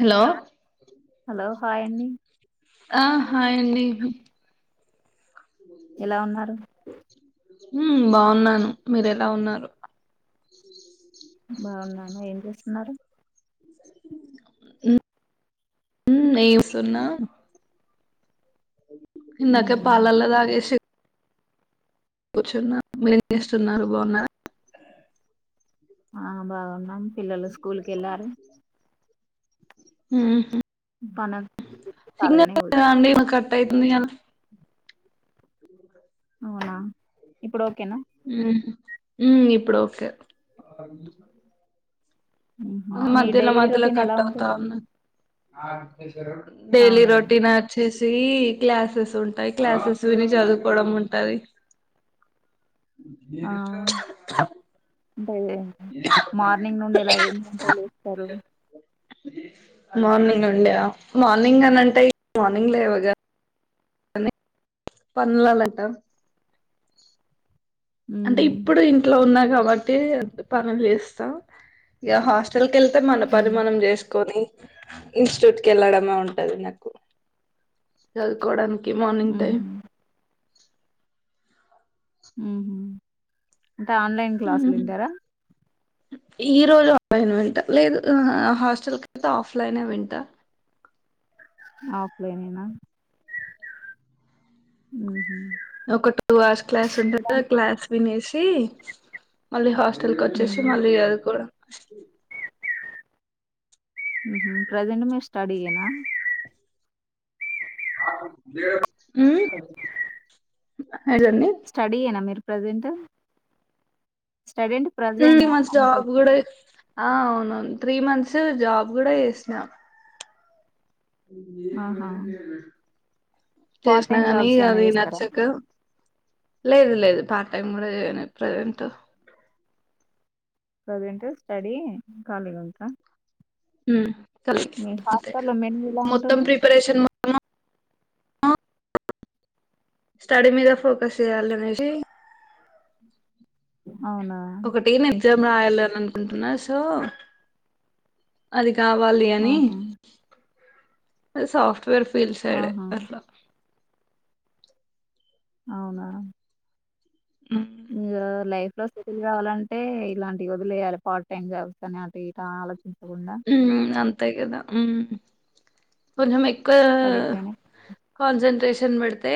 Hello పాయండి ఆ hi అండి ఎలా ఉన్నారు హుమ్ బాగున్నాను మీ రెలా ఉన్నారు బాగున్నాన ఏం చేస్తున్నారు మ్ నేయసన్నా ఇందాక ఉహు పాలల్లో దాగేసి కూర్చున్న మస్తున్నారు బాగున్నారు ఆ బాగున్నాం పిల్లలు స్కూల్ కెళ్లారు హా పన ఖాళీగానే కూర్చు సిగ్నల్ [unintelligible] టైటుంది కదా అవునా ఇప్పుడు ఓక్కేనా ఈ ముమ ఇప్పుడు ఓక్కే ఉహు మీ మధ్యలో డైలీ మధ్యలో రొటీన్ ఎలా కట్ అవుతా ఉంటుంది ఉన్నయి డైలీ అవునండి రోటీన అచ్చె ది క్లాసెస్ ఉంటాయి క్లాసెస్ విని చదువుకోవడం ఉంటది ఆ అంటే మార్నింగ్ నుండి ఇలా ఏన్ని గంటలు వస్తారు మార్నింగ్ ఉండయా మార్నింగ్ అని అంటే మార్నింగ్ లేవగా పన్నలాలటా ఉ అంటే ఇప్పుడు ఇంట్లో ఉన్నా కాబట్టి ఎంత పనులు చేస్తాం ఇక హాస్టల్ క వెళ్తే మన పని మనం చేసుకొని ఇన్స్టిట్యూట్ కి వెళ్ళడమే ఉంటది నాకు చదువుకోవడానికి మార్నింగ్ టైం ఉహు మ్మ్ హ్మ్మ్ అంటే ఆన్లైన్ క్లాసులు వింటారా త్ ఈ రోజు ఆన్లైన్ వింటా లేదు హాస్టల్ కయితే ఆఫ్లైన్ వింటా ఆఫ్లైనేనా మ్మ్ హ్మ్మ్ ఒక టూ అవర్స్ క్లాస్ ఉంటారు ఆ క్లాస్ వినేసి మళ్ళీ హాస్ లక ఉ వచ్చేసి మళ్ళీ చదువుకుంటాం ప్రెజెట్ మ స్టడీ కనా మ్మ్ స్టడీ ఎనా మీరు ప్రెజెంట్ ఉమ్ మ జాబ్ కూడా ఆ అవును త్రీ మంత్స్ జాబ్ కూడా చేసినాం ఆహా త్ పార్ట్ చేసినా టైమ్ కానీ జాబ్స్ ఏమైనా అది చేస్తారా నచ్చక లేదు లేదు పార్ట్ టైం కూడా ఇ ప్రెసెంట్ ప్రజెంట్ స్టడీ ఖాళీగా ఉన్న ఖాలి అంతే మొత్తం ప్రిపరేషన్ మొత్తము హ్ స్టడీ మీద ఫోకస్ చేయాల అనేసి అవునా ఒకటి నేను ఎగ్జామ్ రాయాలి అని అనుకుంటున్నా సో అది కావాలి అని ఆహా అ సాఫ్ట్వేర్ ఫీల్డ్ సైడే ఆహా అట్లా అవునా ఇంగా లైఫ్ స్థితులు కావాలంటే ఇలాంటి వదిలేయాలి పార్ట్ టైమ్ చేస్ని అ మ్మ్ అంతా గదా ఉమ్ కొంచెం స్టడీ పైనే రెస్ట్ క్షని పెడితే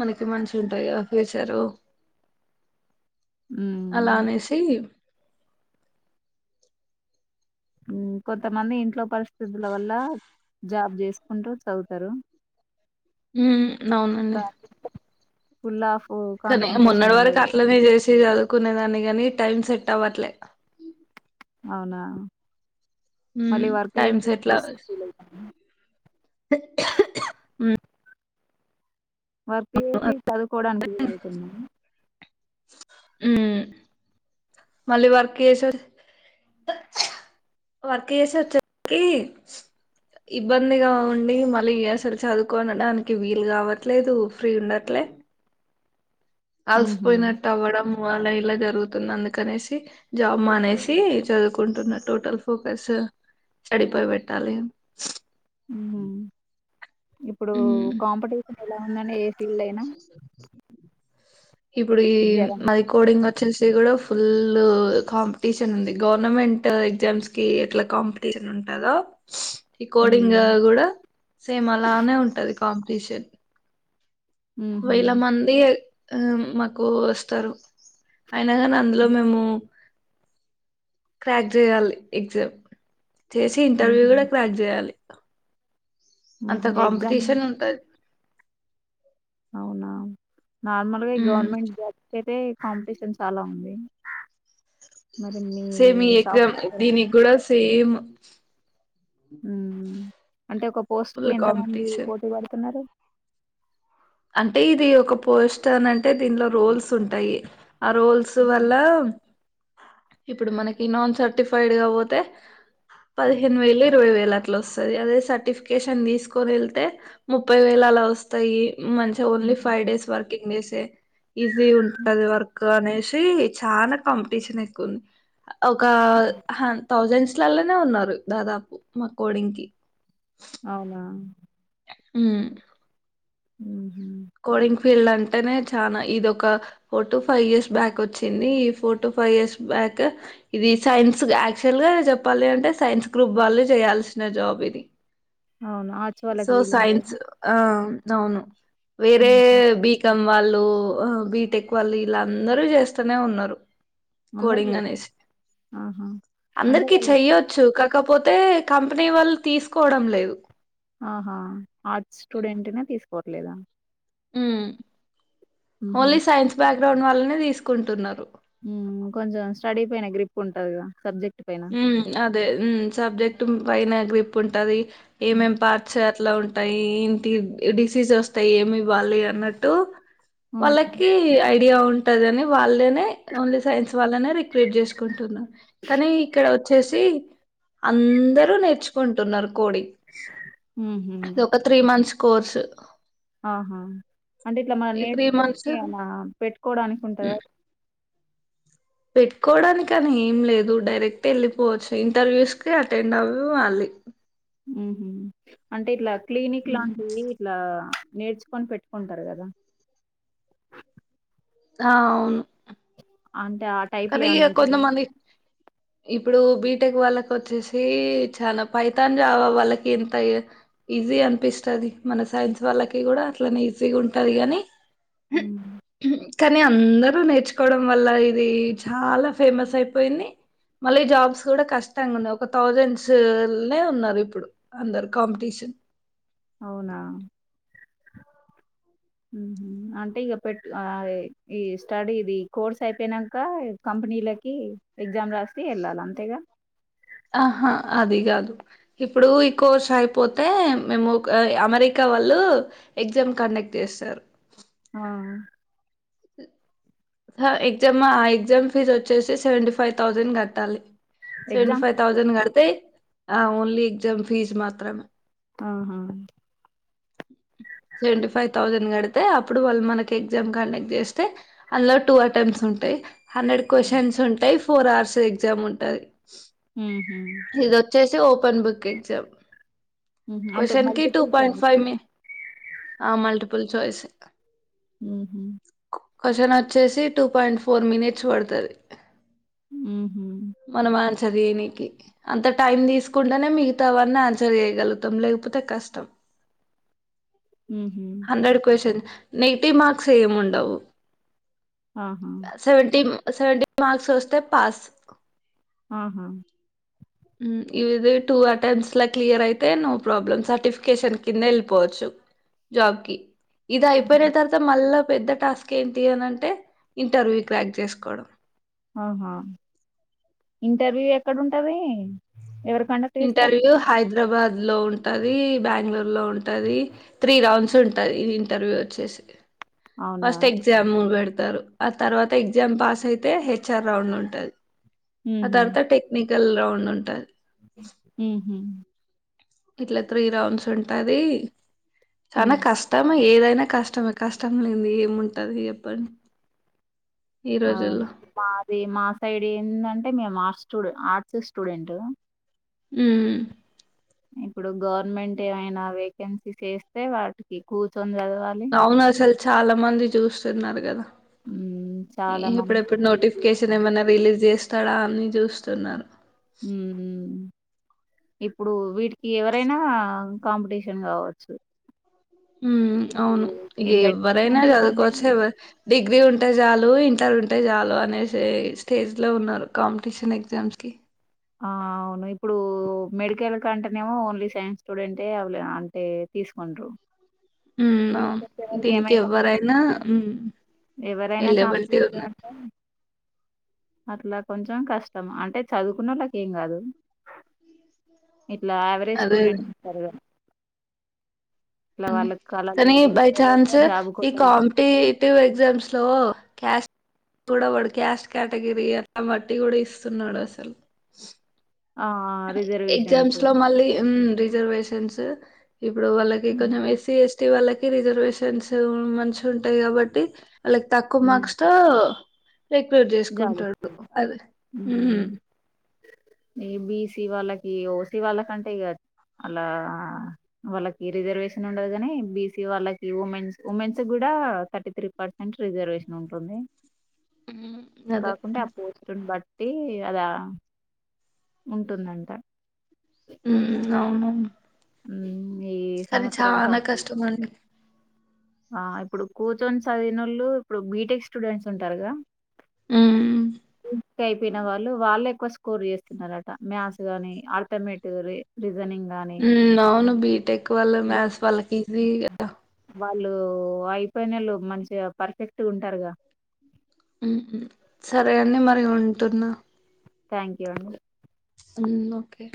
మనకి మంచి ఉంటాయి ఫ్యూచరు అల ఉమ్ అనేసి కొంత మంది ఇంట్లో పరిస్థితుల వల్ల జాబ్ చేసుకుంటూ చదువుతరు ఉమ్ అవునండి ఉల్ల కానీ మొన్నటి వరకు అట్లనే చేసి చదు కునే దాన్ని గాని టైమ్ సెట్ అవ్వట్లే అవున ఉమ్ మళ్ళీ వర్పి ఉమె వర్క్ చేసి చదువుకోవడానికి ఇది అవుతున్నా ఉమ్ మళ్ళీ వర్క్ చేస వర్క్ చేసి వచ్చేసరికి ఇబ్బందిగా ఉండి మళ్ళీ ఈ ఎస్లు చదువుకోని ఆనికి వీలు కావట్లేదు ఫ్రీ ఉండ ఎట్లె ఉహు అలసిపోయినట్టు అవడం మరల ఇలా జరుంది జరుగుతున్న అందుకనేసి జాబ్ మానేసి చదువుకుంటున్న టోటల్ ఫోకస్ సడిపోయి పెట్టాలి ఇప్పుడు ఉమ్ కాంపిటీషన్ ఎలా ఉందని ఫీల్డ్ అయినా ఇప్పుడు ఈ విద్యారంగం అది కోడింగ్ వచ్చేసి కూడా ఫుల్ కాంపిటీషన్ ఉంది గవర్నమెంట్ ఎగ్జామ్స్ కి ఎట్లా కాంపిటీ షన్ ఉంటదో ఈ కోడింగ్ కూడా సేమ్ అలానే ఉంటది కాంపిటీషన్ ఉహు వేల మంది ఆ మాకు వస్తారు అయినా కానీ అందులో మేము క్రాక్ జేయాలి ఎగ్జామ్ చేసి ఇంటర్వ్యూ ఉహు కూడా క్రాక్ జేయాలి అంత ఉహు ఎగ్జామ్ కాంపిటీషన్ ఉంటది అవునా నార్మల్గా ఈ గవర్నమెంట్ జాబ్స్ కి అయితే కాంపిటీషన్ చాలా ఉంది మరి మీ సేమ్ ఈ ఎగ్జామ్ సాఫ్ట్వేర్ దీనికి కూడా సేము ఉమ్ అంటే ఒక పోస్ట్ కు ఫుల్ ఎంతమంది కాంపిటీషన్ పోటీ పడుతున్నారు అంటే ఇది ఒక పోస్ట్ అని అంటే దీనిలో రోల్స్ ఉంటాయి, ఆ రోల్స్ వల్ల ఇప్పుడు మనకి నాన్ సర్టిఫైడ్ గా వోతే పదిహేను వేలు ఇరవై వేలు అట్లా వస్తది, అదే సర్టిఫికేషన్ తీసుకుని వెళ్తే ముప్పై వేల అలా వస్తాయి మంచిగా ఓన్లీ ఫైవ్ డేస్ వర్కింగ్ డేసే ఈజీ ఉంటది వర్క్ అనే సి చానా కాంపిటీషన్ ఎక్కువుంది ఒక హన్ థౌజండ్స్ లల్లనే ఉన్నారు దాదాపు మా కోడింగ్ కి అవునా ఉమ్ ఉ కోడింగ్ ఫీల్డ్ అంటేనే చానా ఇది ఒక four to, five years back వచ్చింది. ఈ four to, five years back. క్ ఇది సైన్స్ యాక్చువల్ గా చెప్పాలి అంటే సైన్స్ గ్రూప్ వాళ్ళు చేయాల్సిన జాబ్ ఇది. అవును ఆర్ట్స్ వాళ్ళకి సో వీలుండదా సైన్స్ ఆ అవును వేరే బి కాం వాళ్ళు, బీటెక్ వాళ్ళు, ఇలా అందరూ చేస్తూనే ఉన్నారు. కోడింగ్ అందరికి అనేసి ఆహా అంటే అందరికి వాళ్ళు చెయ్యొచ్చు కా కాకపోతే కంపెనీ వాళ్ళు తీసుకోవడం లేదు ఆహా ఆర్ట్స్ స్టూడెంట్నే తీసుకోవట్లేదా హుహు. ఓన్లీ సైన్స్ బ్యాక్గ్రౌండ్ వాళ్లనే తీసుకుంటున్నారు కొంచెం స్టడీ పైన గ్రిప్ ఉంటది గా సబ్జెక్ట్ పైన. హ్మ్ అదే హ్మ్ సబ్జెక్ట్ పైన గ్రిప్ ఉంటది. ఏమేమి పార్ట్స్ అట్లా ఉంటాయి, ఏంటి డిసీజ్ వస్తాయి ఏమి ఇవ్వాలి అన్నట్టు హ్మ్. వాళ్ళకి ఐడియా ఉంటందని వాళ్ళే న్ నే ఓన్లీ సైన్స్ వాళ్ళనే రిక్రూట్ చేసుకుంటున్న కానీ ఇక్కడ వచ్చేసి అందరూ నేర్చుకుంటున్నారు కోడి హుహు. అది ఒక త్రీ మంత్స్ కోర్సు ఆహా అంటే ఇట్లా మనం మంత్స్ నేర్చుకోని అలా పెట్టుకోవడానికి ఉంటదా పెట్టుకోవడానికి అని ఏం లేదు, డైరెక్ట్ వెళ్ళిపోవచ్చు ఇంటర్వ్యూస్ కి అటెండ్ అవ్ వాళ్ళీ మ్మ్ హు అంటే ఇట్లా క్లినిక్ హ్మ్. లాంటివి ఇట్లా నేర్చుకొని పెట్టుకుంటరు కదా ఆ అవును అంటే ఆ టైప్‌లో కానీ ఇగ ఏమన్నా ఉంటదా? కొంతమంది ఇప్పుడు బీటెక్ వాళ్ళకి వచ్చేసి చాలా ఫైతాన్, జావా, వాళ్ళకి ఇంత ఎ ఈజీ అనిపిస్తది మన సైన్స్ వాళ్ళకి కూడా అట్లనే ఈజీగా ఉంటది కానీ. హ్మ్. కానీ అందరు నేర్చుకోవడం వల్ల ఇది చాలా ఫేమస్ అయిపోయింది మళ్ళీ జాబ్స్ కూడా కష్టంగా ఉన్నాయి ఒక థౌజండ్స్నే ఉన్నారు ఇప్పుడు అందరు కాంపిటీషన్ న్ అవునా అంటే ఇక పెట్ ఈ స్టడీది కోర్స్ అయిపోయినాక కంపెనీకి ఎక్జామ్ రాస్తి వెళ్లాలే అంతేగా ఆహా అది కాదు ఇప్పుడు ఈ కోర్సు అయిపోతే మేము అమెరికా అమెరికా వాళ్లు ఎగ్జామ్ కండక్ట్ చేస్తారు ఆ ఎగ్జామ్ ఎగ్జామ్ ఫీజ్ వచ్చేసి సెవెంటీ ఫైవ్ థౌజండ్ కట్టాలి సెవెంటీ ఎగ్జామ్స్ ఫైవ్ లేవు థౌజండ్ కడితే ఆ ఓన్లీ ఎగ్జామ్ ఫీజ్ మాత్రం మే ఆహా సెవెంటీ ఫైవ్ థౌజండ్ కడితే అప్పుడు వాళ్ళ మన ఎగ్జామ్ కండక్ట్ చేస్తే అందులో టూ అటెంప్ట్స్ ఉంటా ఉంటాయి హండ్రెడ్ క్వశ్చన్స్ ఉంటాయి ఫోర్ అవర్స్ ఎగ్జామ్ ఉంటంది ఉ వన్ బుక్ ఇచ్చాం ఉహు అంటే క్వశ్చన్ కి టూ మల్టిపుల్ పాయిట్ చాయిసా ఫైవ్ ఆ మల్టిపుల్ ఛాయిస్ ఉ హు క్వశ్చన్ వచ్చేసి టూ పాయింట్ ఫోర్ మినిట్స్ పడుతుంది ఉ హు చదివినికి అంత టైం తీసుకుంటేనే మిగతా అని ఆన్సర్ చేగలుగుతాం లేకపోతే కష్టం ఉ హండ్రెడ్ క్వ్చన్ నెగిటి మార్క్స్ ఏమి ఉండవు ఆహా సెవెంటీ మార్క్స్ వస్తతే పాస్ ఆహా ఇవి టూ అటెంప్ట్స్ క్లియర్ అయితే నో ప్రాబ్లమ్ సర్టిఫికేషన్ కింద వెళ్ళిపోవచ్చు జాబ్ కి ఇది అయిపోయిన తర్వాత మళ్ళా పెద్ద టాస్క్ ఏంటి అనింటే ఇంటర్వ్యూ క్రాక్ చేసుకోవడం ఆహా ఇంటర్వ్యూ ఎక్కడ ఉంటది ఎవరి ఇంటర్వ్యూ హైదరాబాద్లో ఉంటుంది బెంగళూరులో ఉంటుంది త్రీ రౌండ్స్ ఉంటుంది ఇంటర్వ్యూ వచ్చేసి అవునా ఫస్ట్ ఎక్జామ్ పెడతారు తర్వాత ఎగ్జామ్ పాస్ అయితే హేచర్ రౌండ్ ఉంటంది ఆ ఉహు తర్వాత టెక్నికల్ రౌండ్ ఉంటుంది ఉ హు ఇట్లా త్రీ రౌండ్స్ ఉంటది ఉ చాన కష్టం ఏదైనా కష్టమే కష్టం లేదు ఏముంటది చెప్పండి ఈ అవును రోజుల్లో మాది మా సైడ్ ఏంటంటే మేము హాస్టల్ చూడు ఆర్ట్స్ స్టూడెంట్ ఉ ఇప్పుడు గవర్నమెంట్ ఏమైనా వేకెన్సీస్ వస్తే వాటికి కూర్చొని చదివి అవును అసలు చాలా మంది చూస్తున్నారు కదా ఉ చాలా మంది ఇప్పుడెప్పుడు నోటిఫికేషన్ ఏమైన్నా రిలీజ్ చేస్తాడా అని చూస్తున్నారు ఉ ఇప్పుడు వీటికి ఎవరైనా కాంపిటీషన్ కావచ్చు ఉ అవును ఈ మెడిసిన్ ఎవరైనా అంటే ఓన్లీ చదువుకోవచ్చు డిగ్రీ ఉంటే చాలు ఇంటర్ ఉంటే చాలు అనే స్టేజ్లో ఉన్నారు కాంపిటీషన్ ఎగ్జామ్ కి ఆ అవును ఇప్పుడు మెడికల్ కంటేనేమో ఓన్లీ సైన్స్ స్టూడెంట్ యై అ అంటే తీసుకుండు హ్మ్ ఆవును దీనికి ఎవ్వరైనా ఎవరైనా కంపించంటారు అట్లా కొంచెం కష్టం అంటే చదువుకున్నళ్ళకి ఏం కాదు ఇట్లా యావరేజ్ అదే అదే స్టూడెంట్ ఇంటారు కదా ఇట్లా అండి వాళ్ళ కళలు కానీ బై వదులుకోలేక చాన్స్ జాబ్ ఈ కోసం కాంపిటేటివ్ ఎగ్జామ్స్ లో క్యాస్ట్ కూడా వాడు క్యాస్ట్ కేటగిరీ అట్లా బట్టి కూడా ఇస్తున్నాడు అసలు రిజర్వేషన్స్ ఎగ్జామ్స్ లో మళ్ళీ హ్మ్ ర్ రిజర్వేషన్స్ ఇప్పుడు వాళ్ళకి కొంచెం ఎస్సీ ఎస్టీ వాళ్ళకి రిజర్వేషన్స్ మంచి ఉంటాయి కాబట్టి వాళ్ళకి తక్కువ మార్క్స్ తో రిక్రూట్ జాబ్ చేసుకుంటాడు అదే వస్తది మ్, మే బి ఓసి వాళ్ళకి ఓసి వాళ్ళ కంటే ఇక అలా వాళ్ళకి రిజర్వేషన్ ఉండదు కాని బీసీ వాళ్ళకి ఉమెన్స్ ఉమెన్స్ కూడా థర్టీ త్రీ పర్సెంట్ రిజర్వేషన్ ఉంటుంది మ్, అదే కాకుంటె ఆ పోస్ట్ ను బట్ ట్టి అద ఉంటుందంట అవునవును ఈ కానీ సంవత్సరాల సం చాలా కష్టం అండి ఆ ఇప్పుడు కూర్చొన్ సవీనలు ఇప్పుడు బీటెక్ స్టూడెంట్స్ ఉంటారుగా మ్. స అయిపోయిన వాళ్ళు వాళ్ళ ఎక్కువ స్కోర్ చేస్తున్నారట మ్యాథ్స్ గాని ఆత్మీటిక్ ఉన్న బిటెక వల్ మస్ వాల్కిసిగా వాళ్ళు అయిపోయినళ్ళు మంచిగా పర్ఫెక్ట్ ఉంటారుగా ఉ సరే అండి మరి ఉంటుంద థ్యాంక్ యూ అండి హ్మ్ ఓకే